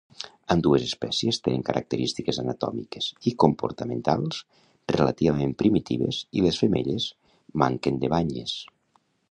Ambdues espècies tenen característiques anatòmiques i comportamentals relativament primitives i les femelles manquen de banyes.